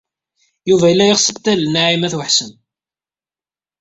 Yuba yella yeɣs ad t-talel Naɛima u Ḥsen.